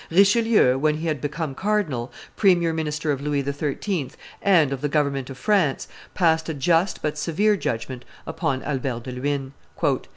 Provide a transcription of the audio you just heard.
Richelieu, when he had become cardinal, premier minister of Louis XIII. and of the government of France, passed a just but severe judgment upon Albert de Luynes.